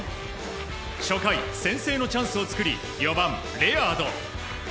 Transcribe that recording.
初回、先制のチャンスを作り４番、レアード。